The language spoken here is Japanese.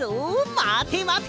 まてまて！